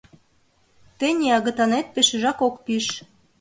Тений агытанет пешыжак ок пиж.